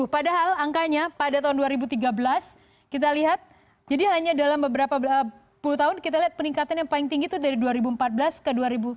padahal angkanya pada tahun dua ribu tiga belas kita lihat jadi hanya dalam beberapa puluh tahun kita lihat peningkatan yang paling tinggi itu dari dua ribu empat belas ke dua ribu tujuh belas